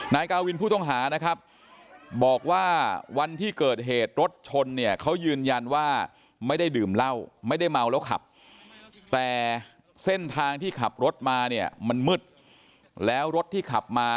นายกาวินผู้ต้องหานะครับ